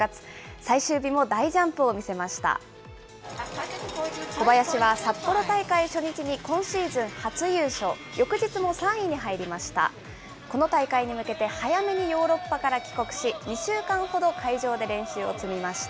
最終日も大ジャンプを見せました。